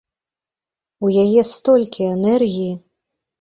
У яе столькі энергіі.